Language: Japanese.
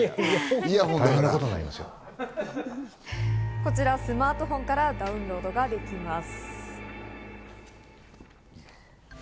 こちら、スマートフォンからダウンロードできます。